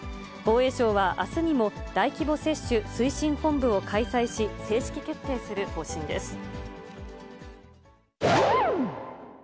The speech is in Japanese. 防衛省は、あすにも大規模接種推進本部を開催し、正式決定する方針です。